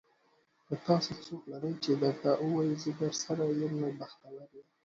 که داسې څوک لرې چې درته وايي, زه درسره یم. نو بختور یې.